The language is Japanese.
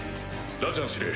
ラジャン司令